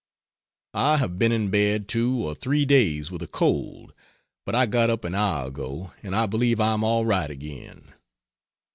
I have been in bed two or three days with a cold, but I got up an hour ago, and I believe I am all right again.